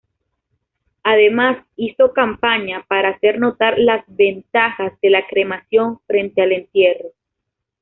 Además hizo campaña para hacer notar las ventajas de la cremación frente al entierro.